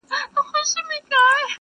وروري به کوو، حساب تر منځ.